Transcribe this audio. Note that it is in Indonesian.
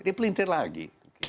di pelintir lagi